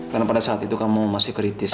karena pada saat itu kamu masih kritis